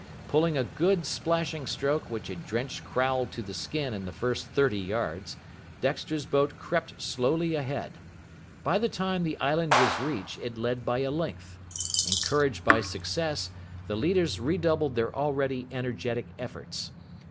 Pulling a good, splashing stroke which had drenched Crowle to the skin in the first thirty yards, Dexter's boat crept slowly ahead. By the time the island was reached, it led by a length. Encouraged by success, the leaders redoubled their already energetic efforts.